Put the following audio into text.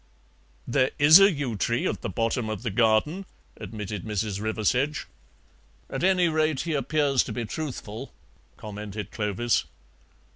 '" "There IS a yew tree at the bottom of the garden," admitted Mrs. Riversedge. "At any rate he appears to be truthful," commented Clovis.